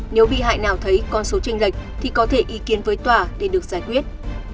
nếu bị hại nào thấy con số tranh lệch thì có thể ý kiến với tòa để được giải quyết